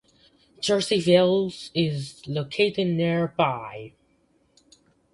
Jerseyville is located nearby.